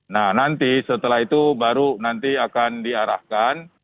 nah nanti setelah itu baru nanti akan diarahkan